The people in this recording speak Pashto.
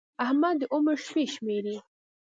احمد د عمر شپې شمېري.